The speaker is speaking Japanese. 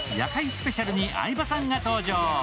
スペシャルに相葉さんが登場。